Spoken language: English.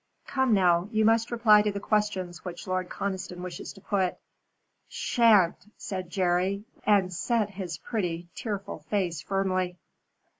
Come now, you must reply to the questions which Lord Conniston wishes to put." "Sha'n't," said Jerry, and set his pretty, tearful face firmly.